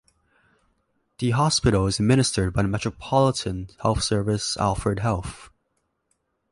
The hospital is administered by the Metropolitan Health Service Alfred Health.